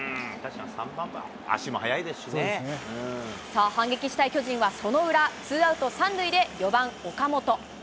さあ、反撃したい巨人は、その裏、ツーアウト３塁で４番岡本。